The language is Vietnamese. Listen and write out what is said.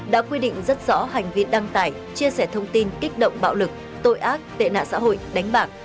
đã quy định rất rõ hành vi đăng tải chia sẻ thông tin kích động bạo lực tội ác tệ nạn xã hội đánh bạc